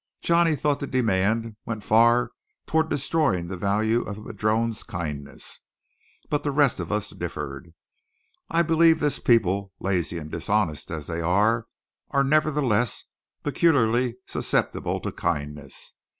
Johnny thought the demand went far toward destroying the value of the padrone's kindness: but the rest of us differed. I believe this people, lazy and dishonest as they are, are nevertheless peculiarly susceptible to kindness.